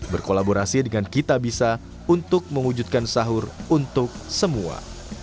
berkolaborasi dengan kitabisa untuk mewujudkan sahur untuk semua